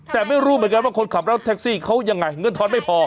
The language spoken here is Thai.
แต่ไม่รู้เหมือนกันว่าคนขับรถแท็กซี่เขายังไงเงินทอนไม่พอ